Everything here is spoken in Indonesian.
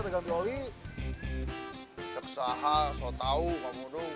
keceksahan soal tau kamu dong